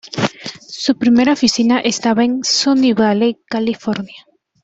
Su primera oficina estaba en Sunnyvale, California.